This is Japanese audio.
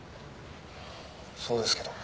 そうですけど。